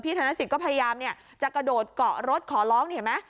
ธนสิทธิ์ก็พยายามจะกระโดดเกาะรถขอร้องนี่เห็นไหม